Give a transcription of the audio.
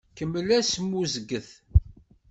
Kemmel asmuzget!